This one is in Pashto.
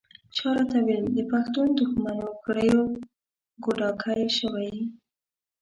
چا راته ویل د پښتون دښمنو کړیو ګوډاګی شوی یې.